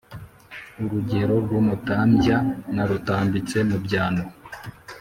Uruge rw’umutambya narutambitse mu byano